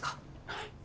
はい。